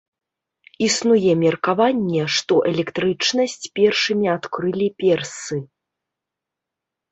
Існуе меркаванне, што электрычнасць першымі адкрылі персы.